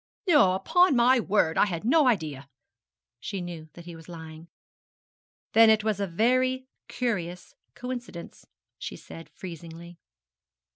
'No, upon my word. I had no idea!' She knew that he was lying. 'Then it was a very curious coincidence,' she said freezingly.